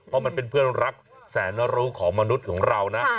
เพราะมันเป็นเพื่อนรักแสนรู้ของมนุษย์ของเรานะ